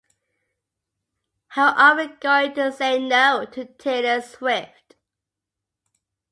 How are we going to say no to Taylor Swift?